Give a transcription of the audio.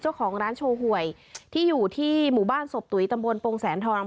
เจ้าของร้านโชว์หวยที่อยู่ที่หมู่บ้านศพตุ๋ยตำบลปงแสนทอง